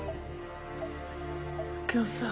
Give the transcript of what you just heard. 右京さん。